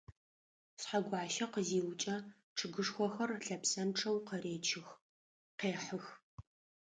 Шъхьэгуащэ къызиукӏэ, чъыгышхохэр лъэпсэнчъэу къыречых, къехьых.